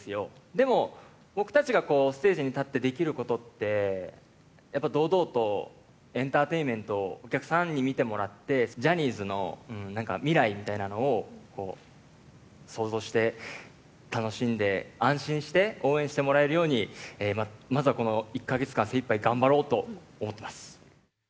でも僕たちがステージに立ってできることって、やっぱ堂々とエンターテインメント、お客さんに見てもらって、ジャニーズのなんか未来みたいなのを想像して、楽しんで、安心して応援してもらえるように、まずはこの１か月間、精いっぱい頑張ろうと思ってます。